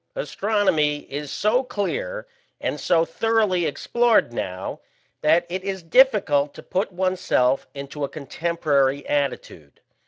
Astronomy is so clear and so thoroughly explored now, that it is difficult to put oneself into a contemporary attitude.